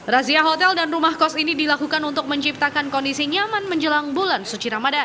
razia hotel dan rumah kos ini dilakukan untuk menciptakan kondisi nyaman menjelang bulan suci ramadan